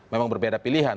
memang berbeda pilihan